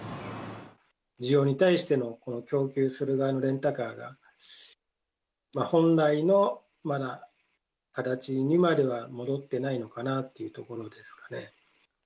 需要に対しての、この供給する側のレンタカーが、本来のまだ形にまでは戻ってないのかなっていうところですかね。